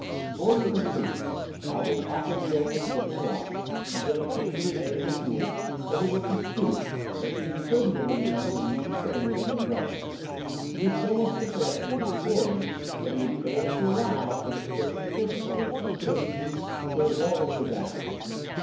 Gordon pursued it, hobbling awkwardly over the slippery rocks, until he came to the edge of the pool, over which he stooped, raking inquisitively among the weedy fringe with his umbrella. He was so much interested in his quarry that he failed to allow for the slippery surface on which he stood. The result was disastrous.